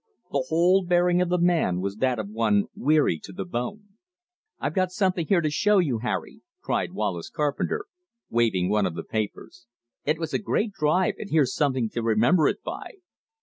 The whole bearing of the man was that of one weary to the bone. "I've got something here to show you, Harry," cried Wallace Carpenter, waving one of the papers. "It was a great drive and here's something to remember it by."